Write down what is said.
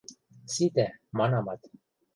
– Ситӓ, – манамат.